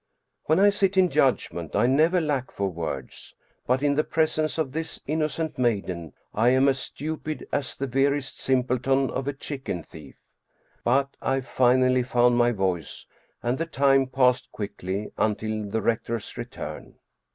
When I sit in judgment I never lack for words, but in the presence of this innocent maiden I am as stupid as the veriest simpleton of a chicken thief. But I finally found my voice and the time passed quickly until the rec tor's return.